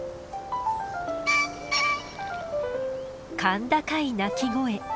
甲高い鳴き声。